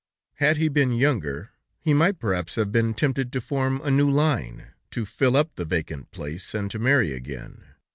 Had he been younger, he might, perhaps, have been tempted to form a new line, to fill up the vacant place, and to marry again.